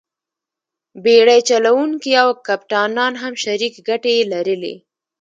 بېړۍ چلوونکي او کپټانان هم شریکې ګټې یې لرلې.